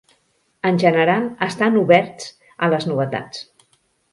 En general estan oberts a les novetats.